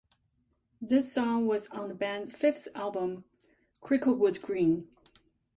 This song was on the band's fifth album, "Cricklewood Green".